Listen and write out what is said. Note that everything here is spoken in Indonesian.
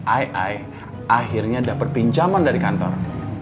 ai akhirnya dapat pinjaman dari kantor